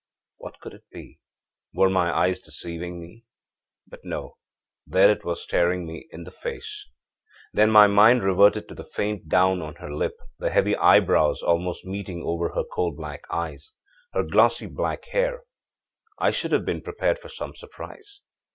What could it be? Were my eyes deceiving me? But no, there it was, staring me in the face! Then my mind reverted to the faint down on her lip, the heavy eyebrows almost meeting over her coal black eyes, her glossy black hair âI should have been prepared for some surprise.